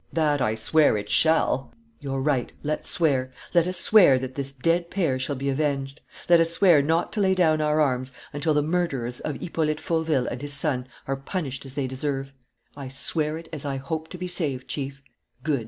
"That I swear it shall!" "You're right; let's swear. Let us swear that this dead pair shall be avenged. Let us swear not to lay down our arms until the murderers of Hippolyte Fauville and his son are punished as they deserve." "I swear it as I hope to be saved, Chief." "Good!"